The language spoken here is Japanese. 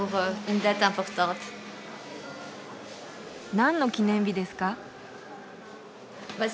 なんの記念日ですか？